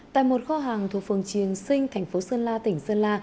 tại một kho hàng thuộc phường triền sinh thành phố sơn la tỉnh sơn la